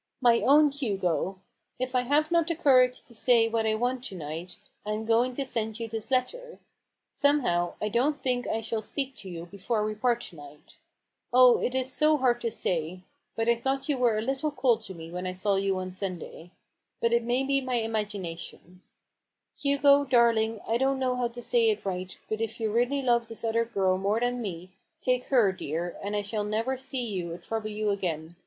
" My own Hugo, "If I have not the courage to say 180 A BOOK OF BARGAINS. what I want to to night, I am going to send yon this letter. Somehow t I don't think 1 shall speak to you before we pari to night. Oh, it is so hard to say I But I thought you were a little cold to me when I saw you on Sunday* But it may be my imagination, Hugo, darling, I don't know how to say it right, but if you really love this other girl more than me, take her, dear, and I shall never see you or trouble you again.